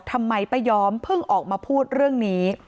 ทำไมป้ายอมเพิ่งออกมาพูดเรื่องนี้